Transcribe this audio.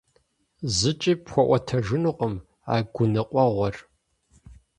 ЗыкӀи пхуэӀуэтэжынукъым а гуныкъуэгъуэр.